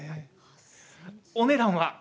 お値段は？